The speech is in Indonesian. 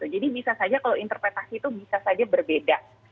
jadi bisa saja kalau interpretasi itu bisa saja berbeda